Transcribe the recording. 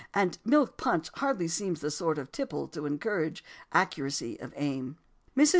And milk punch hardly seems the sort of tipple to encourage accuracy of aim. Mrs.